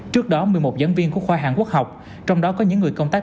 trước đó một mươi một giảng viên của khoa hạng quốc học trong đó có những người công tác